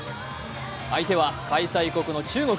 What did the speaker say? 相手は開催国の中国。